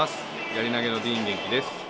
やり投げのディーン元気です。